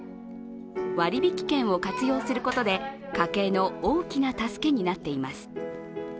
割引券を活用することで、家計の大きな助けになっています。